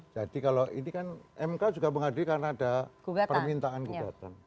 jadi kalau ini kan mk juga menghadirkan ada permintaan gugatan